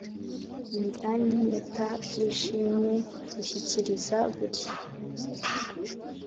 Imidari n Impeta by Ishimwe rushyikiriza buri